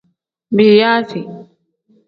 Biyaasi.